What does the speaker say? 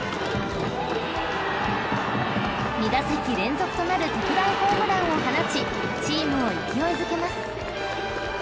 ［２打席連続となる特大ホームランを放ちチームを勢いづけます］